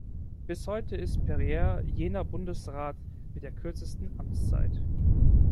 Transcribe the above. Bis heute ist Perrier jener Bundesrat mit der kürzesten Amtszeit.